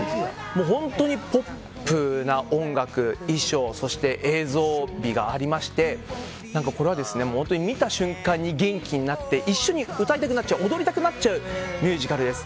本当にポップな音楽、衣装そして映像美がありまして見た瞬間に元気になって一緒に歌いなくなっちゃう踊りたくなっちゃうミュージカルです。